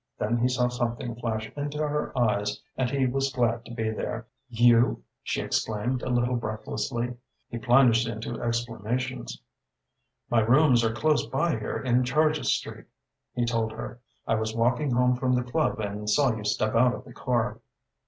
Then he saw something flash into her eyes and he was glad to be there. "You?" she exclaimed, a little breathlessly. He plunged into explanations. "My rooms are close by here in Charges Street," he told her. "I was walking home from the club and saw you step out of the car."